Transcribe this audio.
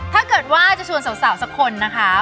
ถ้าเกิดว่าจะชวนสาวสักคนนะคะ